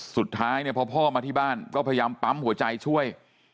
สุดท้ายเนี่ยพอพ่อมาที่บ้านก็พยายามปั๊มหัวใจช่วย